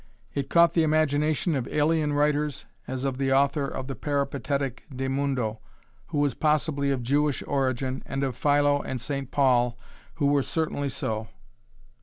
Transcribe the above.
It caught the imagination of alien writers as of the author of the Peripatetic De Mundo who was possibly of Jewish origin and of Philo and St Paul who were certainly so.